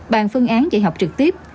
bàn phương án dạy học trực tiếp